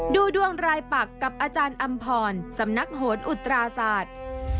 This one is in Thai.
ดูดวงรายปักกับอาจารย์อำพรสำนักโหนอุตราศาสตร์